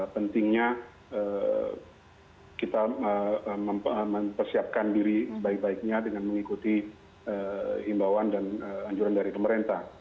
pentingnya kita mempersiapkan diri sebaik baiknya dengan mengikuti imbauan dan anjuran dari pemerintah